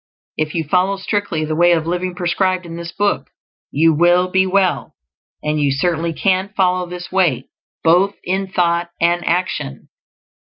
If you follow strictly the way of living prescribed in this book, you will be well; and you certainly CAN follow this way, both in thought and action.